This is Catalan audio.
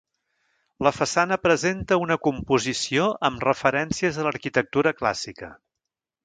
La façana presenta una composició amb referències a l'arquitectura clàssica.